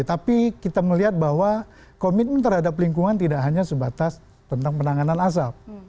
tapi kita melihat bahwa komitmen terhadap lingkungan tidak hanya sebatas tentang penanganan asap